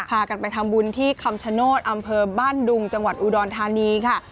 พากันไปทำบุญที่คำชโนธอำเภอบ้านดุงจังหวัดอุดรธานีค่ะ